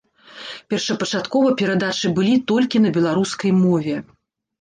Першапачаткова перадачы былі толькі на беларускай мове.